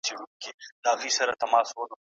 د لیکوالو یادونه زموږ کلتوري میراث دی.